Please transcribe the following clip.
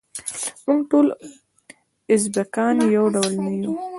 موږ ټول ازبیکان یو ډول نه یوو.